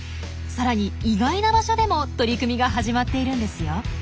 さらに意外な場所でも取り組みが始まっているんですよ。